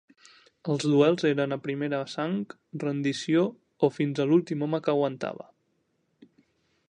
Els duels eren a primera sang, rendició o fins a l'últim home que aguantava.